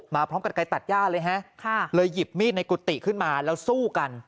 มาพร้อมกันไกลตัดย่าเลยฮะเลยหยิบมีดในกุฏิขึ้นมาแล้วสู้กัน